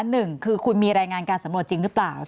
หนึ่งคือคุณมีรายงานการสำรวจจริงหรือเปล่า